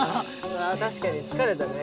確かにつかれたね。